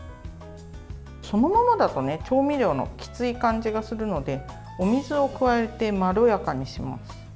そのままだと調味料のきつい感じがするのでお水を加えてまろやかにします。